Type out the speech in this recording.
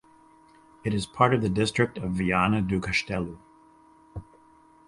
It is part of the district of Viana do Castelo.